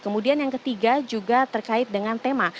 kemudian yang ketiga juga terkait dengan tema